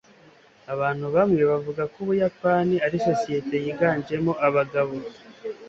abantu bamwe bavuga ko ubuyapani ari societe yiganjemo abagabo